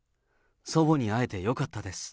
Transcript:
祖母に会えてよかったです。